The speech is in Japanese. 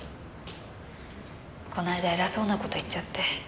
この間偉そうな事言っちゃって。